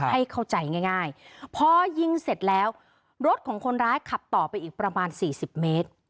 ให้เข้าใจง่ายพอยิงเสร็จแล้วรถของคนร้ายขับต่อไปอีกประมาณ๔๐เมตร